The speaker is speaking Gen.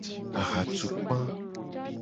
Ahatukpa.